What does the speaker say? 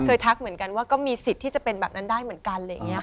ทักเหมือนกันว่าก็มีสิทธิ์ที่จะเป็นแบบนั้นได้เหมือนกันอะไรอย่างนี้ค่ะ